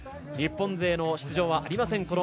日本勢の出場はありません